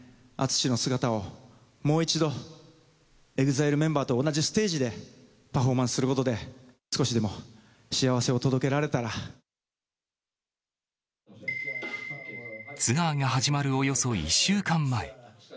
ＡＴＳＵＳＨＩの姿をもう一度、ＥＸＩＬＥメンバーと同じステージでパフォーマンスすることで、少しでも幸せを届けられツアーが始まるおよそ１週間前。